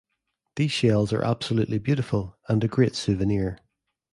These shells are absolutely beautiful and a great souvenir.